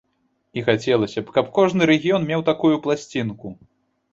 І хацелася б, каб кожны рэгіён меў такую пласцінку.